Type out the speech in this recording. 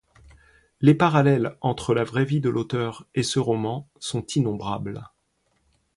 Les parallèles entre la vraie vie de l'auteur et ce roman sont innombrables.